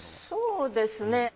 そうですね